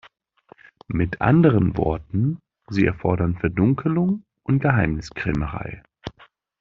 Mit anderen Worten, sie erfordern Verdunkelung und Geheimniskrämerei.